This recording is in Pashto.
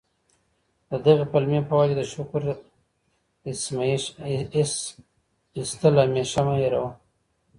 د دغي پلمې په وجه د شکر ایسهمېشه مه هېروه.